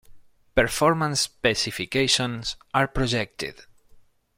Performance specifications are projected.